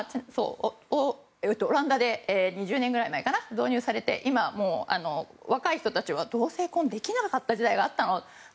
オランダで２０年ぐらい前に導入されて今、若い人たちは同性婚できなかった時代があったの？